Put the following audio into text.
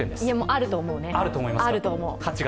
あると思うね、あると思う。